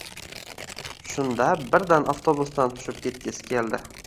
Shunda birdan avtobusdan tushib ketgisi keldi